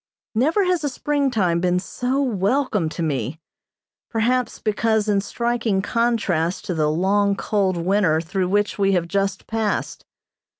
Never has a springtime been so welcome to me, perhaps because in striking contrast to the long, cold winter through which we have just passed.